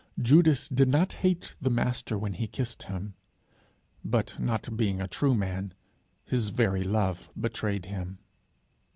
Judas did not hate the Master when he kissed him, but not being a true man, his very love betrayed him.